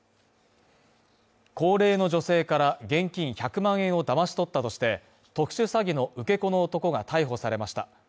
高齢の女性から現金１００万円をだまし取ったとして、特殊詐欺の受け子の男が逮捕されました。